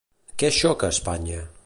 Què xoca a Espanya?